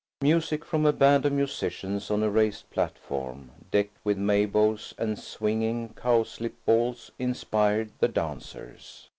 Music from a band of musicians on a raised platform decked with May boughs and swinging cowslip balls inspired the dancers.